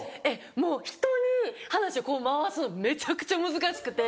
もう人に話を回すのめちゃくちゃ難しくて。